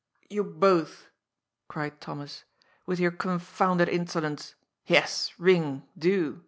" C you both," cried Thomas, " with your con founded insolence. Yes, ring, do.